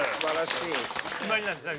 決まりなんですか？